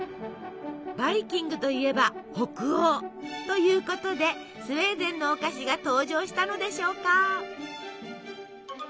バイキングといえば北欧！ということでスウェーデンのお菓子が登場したのでしょうか。